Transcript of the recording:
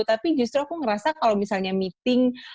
tapi justru aku ngerasa kalau misalnya meeting